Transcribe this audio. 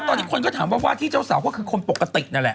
ตอนนี้คนก็ถามว่าที่เจ้าสาวก็คือคนปกติ